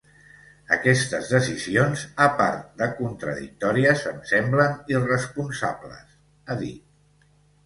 Aquestes decisions, a part de contradictòries, em semblen irresponsables, ha dit.